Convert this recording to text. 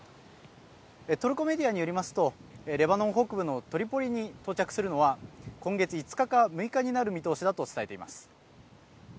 トルコメディアによりますとレバノン北部のトリポリに到着するのは、今月５日か６日になる見通しだと伝えています。